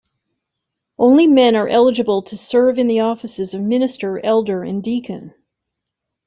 Only men are eligible to serve in the offices of minister, elder, and deacon.